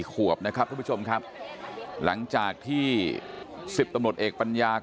พร้อมผู้ชมครับหลังจากที่๑๐ตำนวดเองปัญญาก่อเหตุ